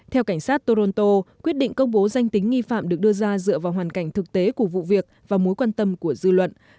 theo cảnh sát toronto quyết định công bố danh tính nghi phạm được đưa ra dựa vào hoàn cảnh thực tế của vụ việc và mối quan tâm của dư luận